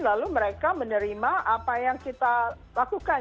lalu mereka menerima apa yang kita lakukan